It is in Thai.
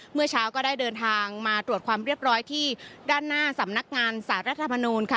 เมื่อเช้าก็ได้เดินทางมาตรวจความเรียบร้อยที่ด้านหน้าสำนักงานสารรัฐธรรมนูลค่ะ